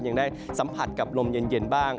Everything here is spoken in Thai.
ยังได้สัมผัสกับลมเย็นบ้าง